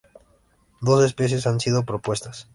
Dos especies han sido propuestas.